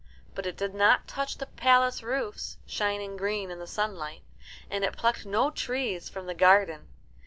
But it did not touch the palace roofs, shining green in the sunlight, and it plucked no trees from the garden.